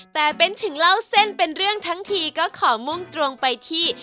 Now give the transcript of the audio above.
แต่เป็นถึงเล่าเส้นเป็นเรื่องทั้งทีก็ขอมุ่งตรงไปที่